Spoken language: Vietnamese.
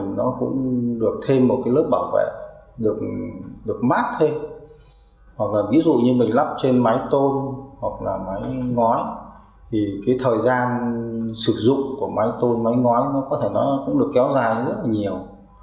nó cũng được kéo dài rất là nhiều